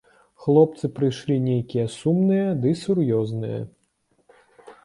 Хлопцы прыйшлі нейкія сумныя ды сур'ёзныя.